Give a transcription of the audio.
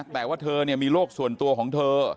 แต่ว่าเธอมีโรคส่วนตัวของเธอ